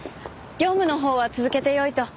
業務のほうは続けてよいと。